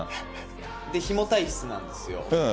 ひも体質なんですよ。